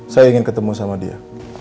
saya ingin ketemu sama dia